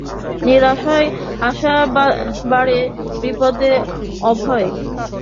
“নিরাশয় আশা বাড়ে বিপদে অভয়